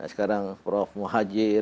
sekarang prof muhajir